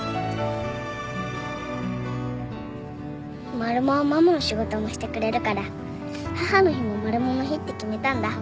マルモはママの仕事もしてくれるから母の日もマルモの日って決めたんだ。